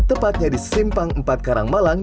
tepatnya di simpang empat karang malang